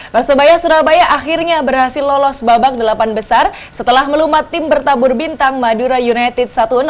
persebaya surabaya akhirnya berhasil lolos babak delapan besar setelah melumat tim bertabur bintang madura united satu enam